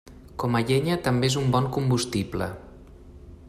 Com a llenya també és un bon combustible.